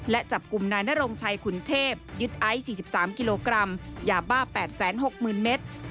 และจับกลุ่มนายนรงชัยขุนเทพยึดไอซ์๔๓กิโลกรัมยาบ้า๘๖๐๐๐เมตร